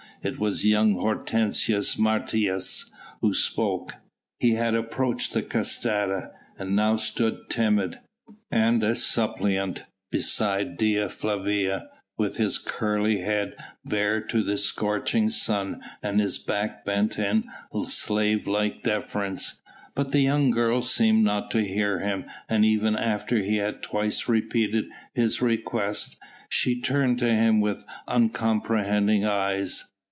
It was young Hortensius Martius who spoke. He had approached the catasta and now stood timid, and a suppliant, beside Dea Flavia, with his curly head bare to the scorching sun and his back bent in slave like deference. But the young girl seemed not to hear him and even after he had twice repeated his request she turned to him with uncomprehending eyes.